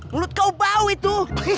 mulut kau bau itu